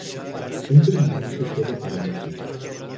Un privilegio solo para los ricos.